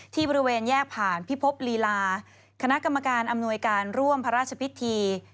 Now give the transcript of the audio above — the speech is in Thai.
บริเวณแยกผ่านพิภพลีลาคณะกรรมการอำนวยการร่วมพระราชพิธี